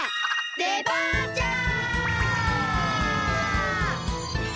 デパーチャー！